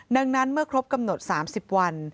ดังนั้นเมื่อครบกำหนด๓๐วัน